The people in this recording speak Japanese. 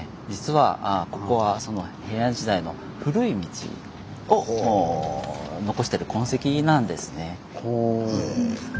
実はここは平安時代の古い道を残してる痕跡なんですね。